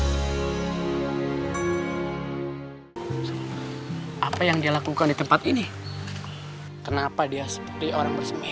hai hai hai hai hai hai hai apa yang dilakukan di tempat ini kenapa dia seperti orang bersemih